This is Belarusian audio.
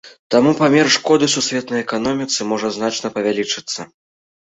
Таму памер шкоды сусветнай эканоміцы можа значна павялічыцца.